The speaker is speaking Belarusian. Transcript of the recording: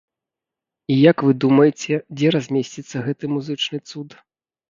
І як вы думаеце, дзе размесціцца гэты музычны цуд?